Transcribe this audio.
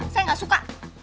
saya gak suka